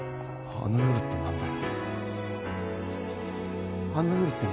「あの夜」って何だよ！